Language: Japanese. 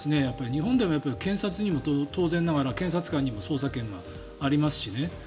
日本でも検察にも当然ながら、検察官にも捜査権がありますしね。